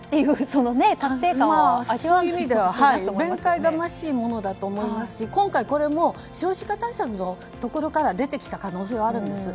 そういう意味では弁解がましいものだと思いますし今回これも少子化対策のところから出てきた可能性はあるんです。